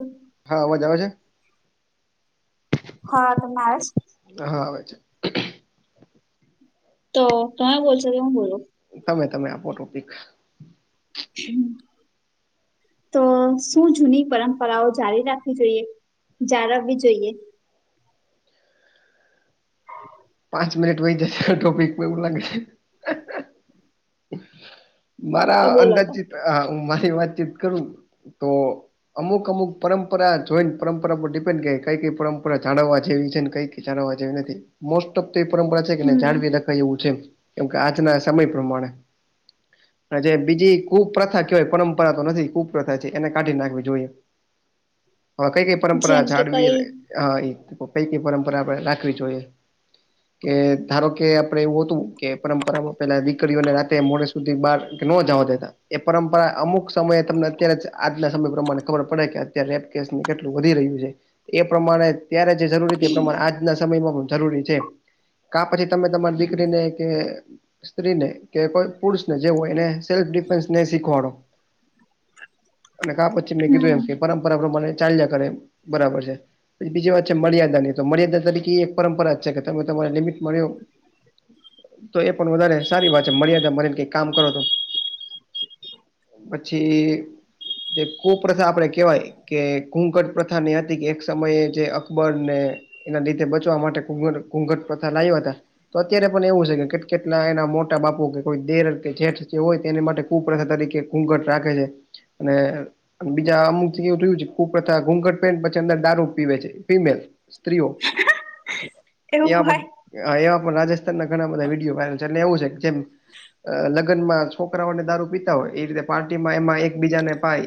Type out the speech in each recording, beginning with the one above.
હમ. હા, અવાજ આવે છે? હા, તમને આવે છે? હા આવે છે. તો તમે બોલશો કે હું બોલું? તમે તમે આપો ટોપિક. તો શું જૂની પરંપરાઓ જાળી રાખવી જોઈએ? જાળવવી જોઈએ. પાંચ મિનટ વયધા ટોપિકમાં એવું લાગે. તો મારા બોલો તો. અંદાજીત અ હું મારી વાતચીત કરું તો અમુક અમુક પરંપરા જોઈન પરંપરા પર ડિપેન્ડ કે કઈ કઈ પરંપરા જાળવવા જેવી છે ને કઈ કઈ જાળવવા જેવી નથી મોસ્ટ ઓફ તો એવી પરંપરા છે કે હમ જાળવી રખાય એવું છે કેમ કે આજના સમય પ્રમાણે [inaudible] જે બીજી કુપ્રથા કેવાય પરંપરા તો નથી કુપ્રથા છે એને કાઢી નાખવી જોઈએ. અ કઈ કઈ પરંપરા જેમ કે જાળવી કઈ અય કઈ કઈ પરંપરા આપણે રાખવી જોઈએ? કે ધારો કે આપડે એવું હતું કે પરંપરામાં પેલા દીકરીઓને રાખ તે મોડે સુધી બાર નો જાવા દેતા. એ પરંપરા અમુક સમયે તમને અત્યારે જ આજના સમય પ્રમાણે ખબર પડે કે અત્યારે રે પ કેસમાં કેટલું વધી રહ્યું છે. એ પ્રમાણે ત્યારે જે જરૂરી એ પ્રમાણે આજના સમયમાં જરૂરી છે. કા પછી તમે તમારી દીકરીને કે સ્ત્રીને કે કોઈ પુરુષ ને જે હોય એને સેલ્ફ ડિફેન્સ ને એ શીખવાડો. અને કા પછી મેં કીધું હમ એમ કે પરંપરા પ્રમાણે ચાલ્યા કરે એ બરાબર છે. પછી બીજી વાત છે મર્યાદાની. તો મર્યાદા તરીકે એક પરંપરા છે કે તમે તમારી લિમિટમાં રયો. તો એ પણ વધારે સારી વાત છે મર્યાદામાં રઈ કઈક કામ કરો તો. પછી જે કુપ્રથા આપડે કેવાય કે ઘૂંઘટ પ્રથા ને એ હતી કે એક સમયે જે અકબર ને એના લીધે બચવા માટે ઘૂંઘટ-ઘૂંઘટ પ્રથા લાયવા તા. તો અત્યારે પણ એવું છે કેટ કેટલા એના મો મોટા બાપુ કે કોઈ દેર કે જેઠ જે હોય તેને માટે કુપ્રથા તરીકે ઘૂંઘટ રાખે છે. અને બીજા અમુક એવું થ્યું છે કુપ્રથા ઘૂંઘટ પેરીન પછી અંદર દારૂ પીવે છે ફિમેલ. સ્ત્રીઓ. એવું એ હોય આપણ અયા પણ રાજસ્થાનના ઘણા બધા વિડીયો વાયરલ છે. એને એવું છે. જેમ લગનમાં છોકરાઓને દારૂ પીતા હોય એ રીતે પાર્ટીમાં એમાં એક બીજાને પાય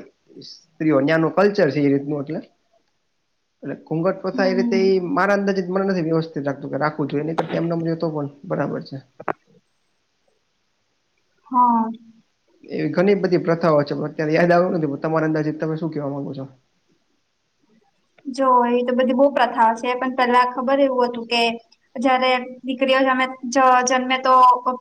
સ્ત્રીઓ. ન્યાનું કલ્ચર છે એ રીતનું એ એટલે ઘૂંઘટ પ્રથા એ રીતે હમ ઈ મારા અંદાજીત મને નથી વ્યવસ્થિત લાગતું કે રાખવું જોએ. નહીકર એમનેમ રે તો પણ બરાબર છે. હા. એવી ઘણી બધી પ્રથાઓ છે પણ અત્યારે યાદ આવ્યું નથી પણ તમારે અંદાજીત તમે શું કેવા માંગો છો? જો એ તો બધી બોઉ પ્રથા છે પણ પેલા ખબર એવું હતું કે જયારે દીકરીઓ જમે-જ-જ-જન્મે તો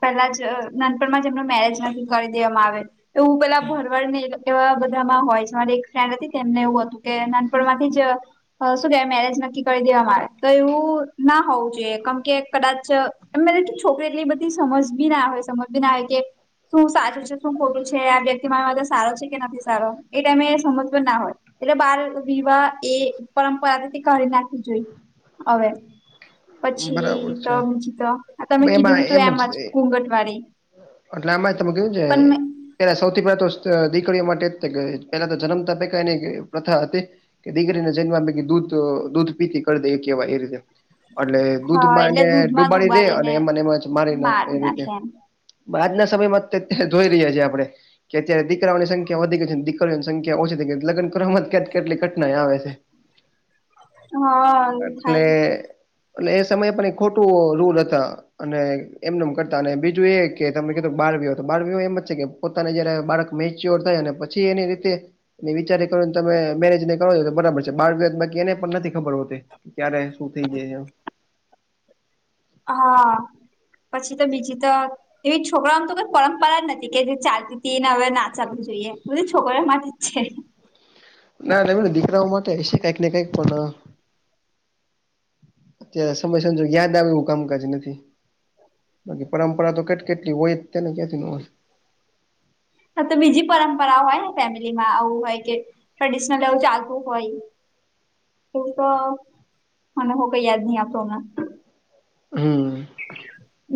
પેલા જ અ નાનપણમાં જ એમનો મેરેજ નકી કરી દેવામાં આવે. એવું પેલા ભરવાડને એ લોક એવા બધામાં હોય છે. મારી એક ફ્રેન્ડ હતી તેમને એવું હતું કે નાનપણમાંથી જ અ અ શું કે મેરેજ નક્કી કરી દેવા મારે તો એવું ના હોવું જોઈએ કેમ કે કદાચ એમ મને છોકરી એટલી બધી સમજ બી ના હોય સમજ બી ના હોય કે શું સાચું છે, શું ખોટું છે, આ વ્યક્તિ મારી માટે સારો છે, કે નથી સારો એ ટાઈમે એ સમજ પણ ના હોય એટલે બાળ વિવાહ એ પરંપરાથી કાઢી નાખવી જોઈ અવે બરાબર પછી તો છે બીજુ તો તમે કીધું તું તું એમ જ ઘૂઘટ વાળી એટલે આમાં તમે કેવું છે. પણ પેલા સૌથી પહેલા તો અ દીકરીઓ માટે તે પેલા તો જન્મતા ભેગા એની પ્રથા હતી કે દીકરીને જન્મ્યા ભેગી દૂધ દૂધ પીતી કરી દે એ કેવાય એ રીતે અટલે હા દૂધમાં એટલે એને દૂધમાં ડુબાડી દે અને ડુબાડીને એમાં ને એમાં જ મારી નાખ માર એ રીતે નાખે એમ આજના સમયમાં અત્યારે જોઈ રહ્યા છીએ આપડે કે અત્યારે દીકરાઓની સંખ્યા વધી ગઈ છે, દીકરીઓની સંખ્યા ઓછી છે, લગ્ન કરવામાં કેટ કેટલી કઢનાંય આવે છે. હ એટલે થાય એટલે એ સમયે પણ એક ખોટું રૂલ હતા અને એમનેમ કરતા અને બીજું એ કે તમે કીધું બાળવીવાહ તો બાળવિવાહ એમ જ છે, કે પોતાને જયારે બાળક મેચ્યોર થાય અને પછી એની રીતે ને વિચારી કરો ને તમે મેરેજ ને કરો તો બરાબર છે, બાળવિવાહ બાકી એને પણ નથી ખબર હોતી ક્યારે શું થઇ જાય [unintelligible] હા પછી તો બીજી તો એવી છોકરામ તો કઈ પરંપરા જ નથી કે જે ચાલતી તી ને હવે ન ચાલવી જોઈએ બધું છોકરા ઓમાંથી ના [unintelligible] દીકરાઓ માટે હશે કઈકને કઈક પણ અત્યારે સમય સંજોગ યાદ આવે એવું કામકાજ નથી બાકી પરંપરા તો કેટ કેટલી હોય તેને કયાંથી ન હોય હા તો બીજી પરંપરા હોય ને ફેમિલીમાં આવું હોય કે ટ્રેડિશનલ એવું ચાલતું હોય એવુ તો મને હો કઈ યાદ ની આવતું અમણાં હમમ.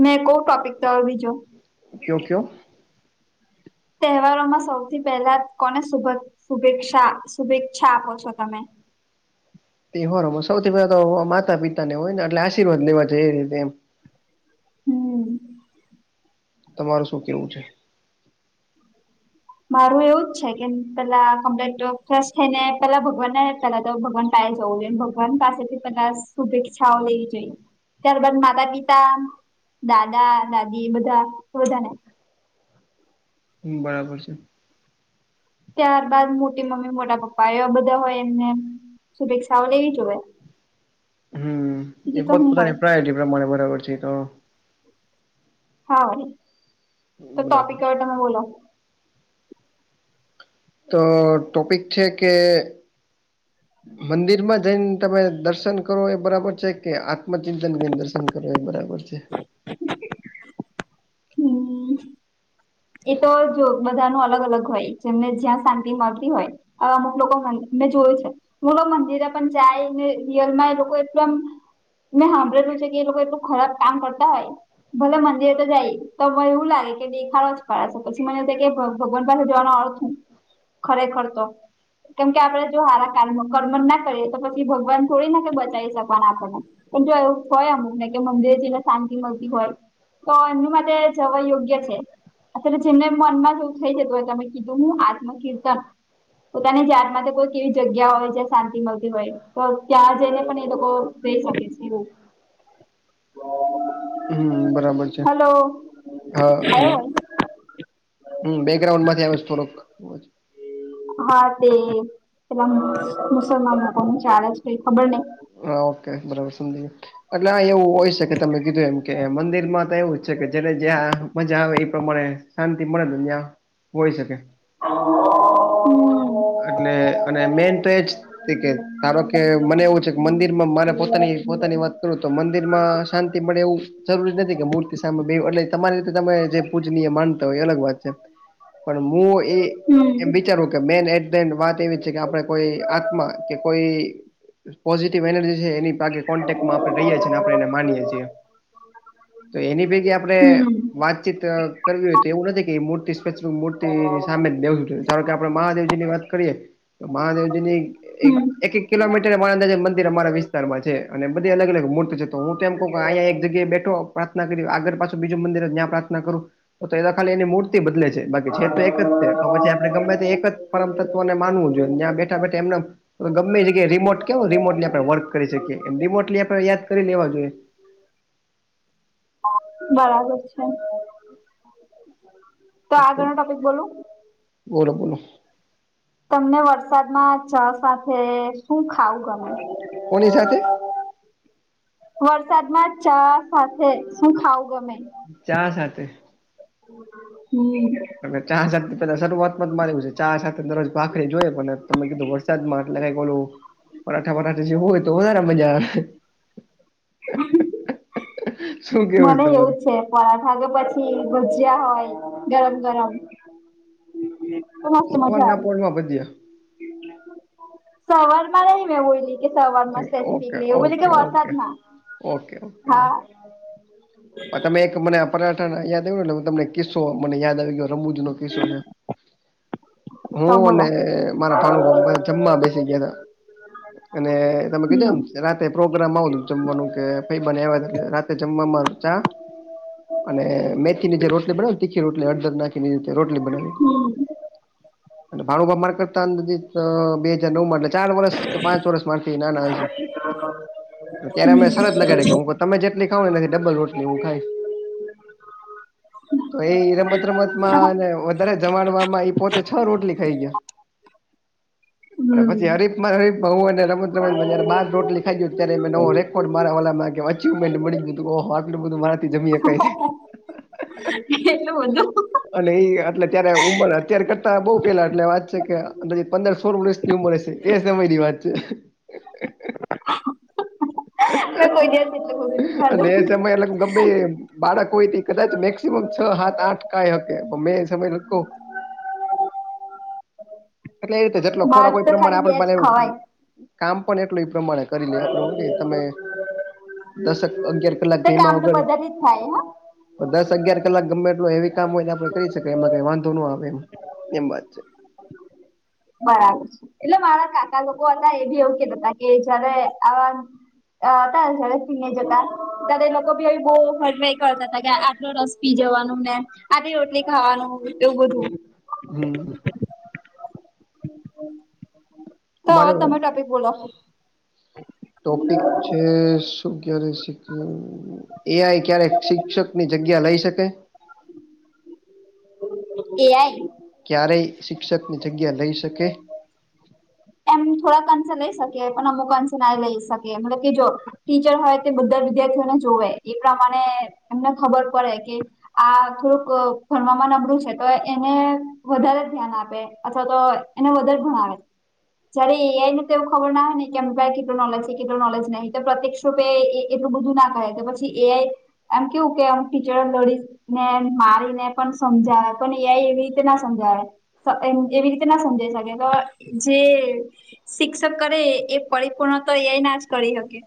ને કો ટોપિક તો હવે બીજો કયો ક્યો. તહેવારોમાં સૌથી પહેલા કોને શુભેક શુભેકસા શુભેચ્છા આપો છો તમે? તેહેવારો માં સૌથી પેલા તો માતા પિતા ને હોય ને એટલે આશીર્વાદ લેવા જઇએ એ રીતે એમ હમ. તમાર શું કેવું છે? મારું એવું જ છે, કે પેલા કમ્પ્લીટ ફેશ થઈ ને પેલા ભગવાનને પેલા તો ભગવાન [unintelligible] જવું જોઈ ભગવાન પાસેથી પેલા શુભેચ્છાઓ લેવી જોઈએ ત્યારબાદ માતા પિતા દાદા દાદી બધા [unintelligible] હમ બરાબર છે. ત્યારબાદ મોટી મમ્મી મોટા પપ્પા એવા બધા હોય એમને શુભેચ્છાઓ લેવી જોએ હમ એ પોત હું હોય પોતાની પ્રાયોરીટી પ્રમાણે બરાબર છે, એ તો હા તો બરાબર ટોપિક હવે છે. તમે બોલો તો ટોપિક છે, કે મંદિરમાં જઈન તમે દર્શન કરો એ બરાબર છે, કે આ મ ચિતનને દર્શન કરવા એ બરાબર છે. હમમ. એ તો જો બધા નુ અલગ અલગ હોય જેમને જ્યાં શાંતિ મલતી હોય અવે અમુક લોકો મેં જોયું છે. બોલો મંદિરે પણ જાયને રિયલમાં એ લોકો એકદમ મેં સાંભળેલું છે કે એ લોકો એટલું ખરાબ કામ કરતા હોય. ભલે મંદિરે તો જાય તો એવું લાગે કે દેખાડો પછી મને કે ભગવાન પાસે જોવાનો અર્થ હું, ખરેખર તો. કેમ કે આપણેે જો હારા કરમ કર્મ ના કરીએ તો પછી ભગવાન થોડી ના કે બચાવી શકવાના આપણને. પણ જો એવું હોય અમુક ને કે મંદિરે જેને શાંતિ મળતી હોય. તો એમની માટે જવા યોગ્ય છે. અત્યારે જેમને મનમાં જેવું થઈ જતું હોય તમે કીધું હું આત્મ કિર્તન. પોતાની જાતમાં કોઈક કેવી જગ્યા હોય જ્યાં શાંતિ મળતી હોય. તો ત્યાં જઈને પણ એ લોકો કઈ શકે છે એવું. હમ બરાબર છે, હલો હા હલો. હમ બેકગ્રઉન્ડ માંથી આવે થોડક. હા તે, પેલા મુસલમાન લોકોનું ચાલ છ કઈ ખબર નહ. હા ઓકે બરોબર સમજી ગયો. એટલે આ એવું હોય છે કે તમે કીધું એમ કે મંદિર માં તો એવું જ છે કે જને જ્યાં મજા આવે એ પ્રમાણે શાંતિ મળે ને નિયાં હોય શકે. હમ [unintelligible] એટલે અને મેન તો એ જ એ છે કે ધારો કે મને એવું છે કે મંદિરમાં મારે પોતાની પોતાની વાત કરું તો મંદિર માં શાંતિ મળે એવું. જરૂરી નથી કે મૂર્તિ સામે બેવુ એટલે તમારી રીતે તમે જે પૂજનીય માનતા હોય એ અલગ વાત છે. પણ મુ એમ વિચારું કે મેન વાત એવી છે કે આપણે કોઈ આત્મા કે કોઈ પોઝિટિવ એનર્જી છે એની તા કે કોન્ટેકમાં આપણે રહીએ છીએ અનેને આપણે એને માનીએે છીએ. તો એની ભેગી આપડણે વાતચીત કરવી હોય તો એવું નથી કે મૂર્તિ સ્પેસિફિક મૂર્તિ સામે જ બેહવું જોઈ ધારોકે આપણે મહાદેવજી ની વાત કરીએ. હ [unintelligible] એ એક કિલોમીટર મહાદેવ ના મંદિર અમારા વિસ્તારમાં છે અને બધી અલગ અલગ મૂર્તિ છે તો હું તોમ કહ કે અહીંયા એક જગ્યાએ બેઠો પ્રાર્થના કરી આગળ પાછું બીજું મંદિર જ્યાં પ્રાર્થના કરું. હું તો એ ખાલી એની મૂર્ બદલે છે બાકી છે તો એક જ તો પછી આપણે ગમે તે એક જ પરમ તત્વ ને માનવું જોઈએ ત્યાં બે ઠા બેઠા એમ નમ ગમે છે કે રીમોટ કેવો રિમોટલી આપડણે વર્ક કરી શકીએ એમ રિમોટલી આપણે યાદ કરી લેવા જોઈએ. બરાબર છે. તો આગળ નો ટોપિક બોલું. બોલો બોલો. તમને વરસાદમાં ચા સાથે શું ખાવુ ગમે? હ કોની સાથે [inaudible] વરસાદમાં ચા સાથે શું ખાવુ ગમે? ચા સાથે? હમ. ચા સાથે પેલા શરૂઆતમાં જ મારે છે ચા સાથે દરરોજ ભાખરી જોઈએ પણ તમે કીધું વ સાદમા કંઈ ઓલું, પરાઠા પરાઠા જે હોય તોાર મજા આવે. શું કેવું મને તમારું એવું જ છે. પરાથા કે પછી ભજીયા હોય ગરમ ગરમ તો મસ્ત મજ્જા સવારના પોળમાં ભજીયા સવરમાં [unintelligible] એ સવાર મસ્ત ઓકે [unintelligible] એવું બજે કે ઓકે ઓકે વરસાદમાં હા પણ તમે એક મને આ પરાઠા યાદ આવ્યો એટલે તમને કિસ્સો મને યાદ આવી ગયો રમૂજ નો કિસ્સો છે. [inaudible] તો હું બોલો અને મારા ભાણુંભા જમવા બેસી ગયાતા અને તમે કીધો એમ હમ. રા તે પ્રોગ્રામ આવ જમવાનું કે ફઈબા ને આયવા તા એટલે રાતે જમવાવામાં ચા અને મેથીની જે રોટલી બનાવી તીખી રટલી હળદર નાખીને એવી રીતે રોટલી બનાવી [inaudible] ભાણુંભા માર કરતા અ બે હજર નવ માં એટલે ચાર વર્ષ કે પાંચ વર્ષ મારાથી નાના હય સે [inaudible] ત્યારે મે સરત લગાડી કે હું તમે જેટલી ખાવને એનાથી ડબલ રોટલી હું ખાઈશ [inaudible] તો એ રમત રમતમાં અને વધારે જમાડવામાં એ પોતે છ રોટલી ખાઈ ગય [inaudible] અને પછી હરીફમાં હરીફ હુ અને રમત રમતમાં જયારે બાર રોટલી ખાઈ ગયો ત્યારે મે નવો રેક કોડ મારા વાલાના કેવાય અચીવમેન્ટ મળી ગયું ઓહ આટલું બધું મારાથી જમી હકાઈ એટલુ બંધુ અને એ અટલે ત્યારે ઉંમર અત્યારે કરતા બઉ પેલા એટલે વાત છે, કે પંદર સોળ વર્ષ ઉમરેશે એ સમયની વાત છે. મેં કોઈ દિવસ એટલું બધું ની અને એ ખાધું. સમય અલગ ગમે એ બાળક હોય એ કદાચ મેક્સિમમ છ સાત આઠ ખાઈ હકે મેં સમય લકો એટલે એ રીતે જેટલો ભાત ખોરાક હોઈ એ તો પ્રમાણે ખાલી બે આપણે જ બનાયવું ખવાય કામ પણ એટલું એ પ્રમાણે કરી લેએ આપડે હુકેય તમે દસક અગિયાર કલાક તો જઈમાં કામ તો વગર બધાથી જ થાય હા. તો દસ અગિયાર કલાક ગમે એટલ એવી કામ હોય આપડે કરી શકીએ એમાં કઈ વાંધો ન આવે એમ એમ વાત છે. બરાબર છે, એટલે મારા કાકા લોકો હતા એ બી એવું કહેતાતા કે જયારે આવા અ હતા [unintelligible] જતા ત્યારે એ લોકો બી બો [unintelligible] કરતા હતા આટલો રસ પી જવાનું ને આ રોટલી ખાવાનું એવું બધું હમ્મ. તો અમારે હવે તમે ટોપિક બોલો ટોપિક છે, શું ક્યારે શીખવુ એ આઈ ક્યારેક શિક્ષકની જગ્યા લઈ શકે? એ આઈ ક્યારેય શિક્ષકની જગ્યા લઈ શકે? એમ થોડાક અંશે લઈ શકે પણ અમુક અંશે ના લઈ શકે મતલબ કે જો ટીચર હોય તે બધા વિદ્યાર્થીઓને જોવે એ પ્રમાણે એમને ખબર પડે કે આ થોડુંક ભણવામાં નબળું છે, તો એને વધારે ધ્યાન આપે અથવા તો એને વધારે ભણાવે જ્યારે એ આઈ ને તોઓ ખબર ના હોય ને કેમ કેટલો નલેજ છે, કેટલો નોલેજ નહી તો પ્રત્ય [unintelligible] એટલું બધું ના કરે કે પછી એ આઈ એમ કેવું કે એમ ટીચર લડી ને મારીને પણ સમજાવે પણ એઆઈ એવી રીતે ના સમજાવે સ- એમ એવી રીતે ના સમજાઈ શકે તો જે શિક્ષક કરે, એ પરિપૂર્ણ તો અં ના જ કરી શકે.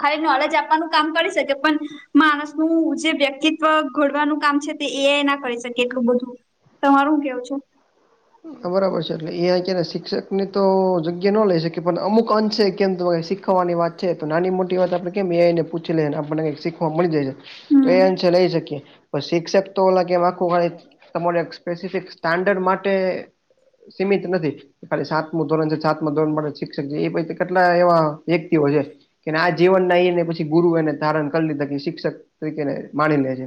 ખાલી નોલેજ આપવાનું કામ કરી શકે. પણ માણસનું જે વ્યક્તિત્વ ઘડવાનું કામ છે, તે એ આઈ ના કરી શકે એટલું બધું. તમારું કેવું છું? બરાબર છે, એટલે એ ક્યારેય શિક્ષક ની તો જગ્યા ન લઇ શકે, પણ અમુક અંશે કેમકે શીખવાની વાત છે, તો નાની, -મોટી વાત આપણે કેમ એ આઈ એને પૂછી લઈએને, આપણને કંઈક શીખવા મળી જાય છે. તો એ હમ અંશે લઈ શકીએ. પણ શિક્ષક તો ઓલા કે, એ આખું મારે તમારે સ્પેસિફિક સ્ટાન્ડર્ડ માટે સીમિત નથી. ખાલી સાતમું ધોરણ છે, સાતમા ધોરણ માટે શિક્ષક છે, એ પછી કેટલા એવા વ્યક્તિઓ છે. કેને આ જીવન ના એને પછી ગુરુ એને ધારણ કરી લીધા કે, શિક્ષક તરીકે માની લે જે.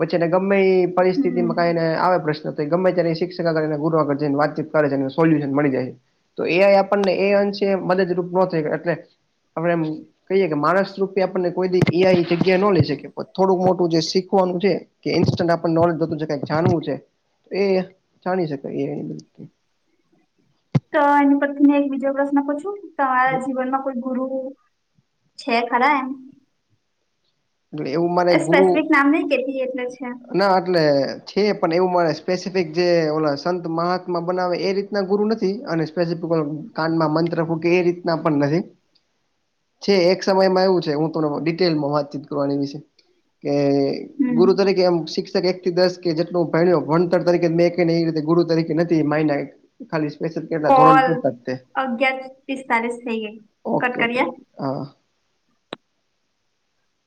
પછી એને ગમે એ હમ પરિસ્થિતિમાં કઈને આવે, પ્રશ્ન તો ગમે તે શિક્ષક આગળ ગુરવા જેને વાતચીત કરે છે, એને સોલ્યુશન મળી જાય છે. તો એ આઈ આપણને એ અંશે મદદરૂપ ન થઈ, એટલે હવે એમ કહીએે કે માણસ રૂપે આપણને કોઈ દિ એ આઈ જગ્યા ન લઈ શકે, પણ થોડુંક મોટું જે શીખવાનું છે. કે ઇન્સ્ટન્ટ આપણ નોલેજ બધું જે કંઈ જાણવું છે, તો એ જાણી શકાય એ-એ. તો એની પરથી મે એક બીજા પ્રશ્ન પુછું, તારા જીવનમાં કોઈ ગુરું છે. ખરા એમ? એટલે એવું માને એ સ્પેસિફિક નામ નહી કેતી એટલે છે ગુરુના એટલે છે, પણ એવું મારે સ્પેસિફિક જે ઓલા સંત મહાત્મા બનાવે, એ રીતના ગુરુ નથી, અને સ્પેસિફિક ઓ કાનમાં મંત્ર ફૂકે એ રીતના પણ નહીં. [unintelligible] છે, એક સમયમાં એવું છે, હું તને ડિટેલમાં વાતચીત કરુ આની વિશે કે, હમ ગુરુ તરીકે આમ શિક્ષક એક થી દસ કે, જેટલું ભણ્યો ભણતર તરીકે મે એકે ને, એ રીતે ગુરુ તરીકે નથી માઈનો. ખાલી સ્પેશ્યલ કે, ધોરણ કોલ પુરત તે અગિયાર પિસ્તાલીસ થઈ ગઈ કટ ઓકે-ઓકે. કરીએ હા, આ